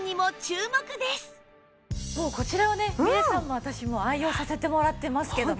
もうこちらはねみれさんも私も愛用させてもらってますけども。